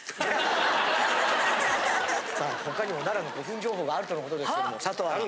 さあ他にも奈良の古墳情報があるとの事ですけども佐藤アナ！